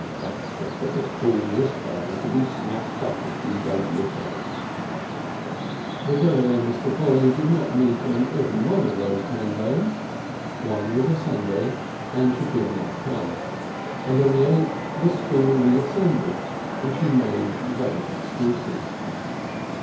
That shop at the corner's bound to be snapped up if he don't look out." The girl and Mr. Polly did not meet on every one of those ten days; one was Sunday and she could not come, and on the eighth the school reassembled and she made vague excuses.